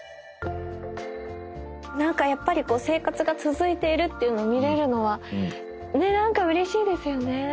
何かやっぱり生活が続いているっていうのを見れるのは何かうれしいですよね。